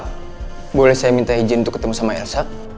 karena boleh saya minta izin untuk ketemu sama elsa